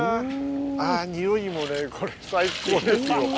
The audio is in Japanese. あぁ匂いもねこれ最高ですよ。